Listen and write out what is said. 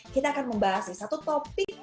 kita akan membahas nih satu topik